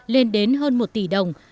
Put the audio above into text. lên đến hơn một tỷ đồng